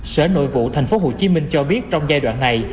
sở nội vụ tp hcm cho biết trong giai đoạn này